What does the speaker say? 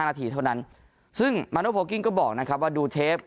นาทีเท่านั้นซึ่งมาโนโพลกิ้งก็บอกนะครับว่าดูเทป